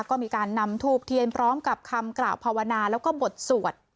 ก็มีการนำทูบเทียนพร้อมกับคำกล่าวภาวนาแล้วก็บทสวด